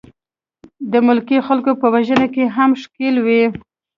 د ملکي خلکو په وژنه کې هم ښکېل وې.